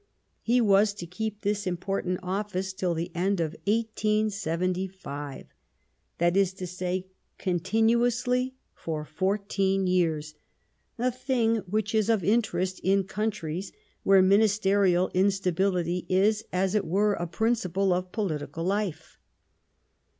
He was to keep this important office till the end of 1875, that is to say, continuously for fourteen years — a thing which is of interest in countries where ministerial instability is, as it were, a principle of political life.